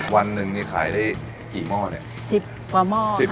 วันนึงนี่ขายได้กี่หม้อเนี่ย